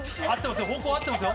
方向合ってますよ。